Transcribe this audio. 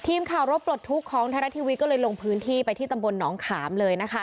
ทีมข่าวรถปลดทุกข์ของไทยรัฐทีวีก็เลยลงพื้นที่ไปที่ตำบลหนองขามเลยนะคะ